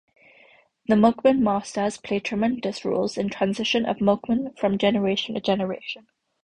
The mugam masters play tremendous role in transition of mugam from generations to generations.